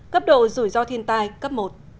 cấp độ rủi ro thiên tài cấp một